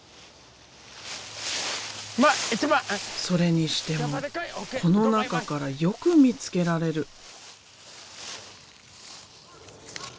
それにしてもこの中からよく見つけられる。